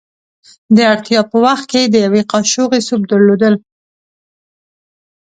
د اړتیا په وخت کې د یوې کاشوغې سوپ درلودل.